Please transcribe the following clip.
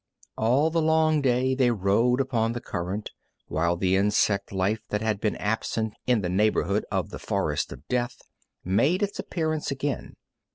All the long day they rode upon the current, while the insect life that had been absent in the neighborhood of the forest of death made its appearance again.